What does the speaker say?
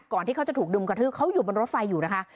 ที่เขาจะถูกดึงกระทืบเขาอยู่บนรถไฟอยู่นะคะ